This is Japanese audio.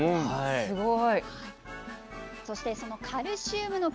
すごい。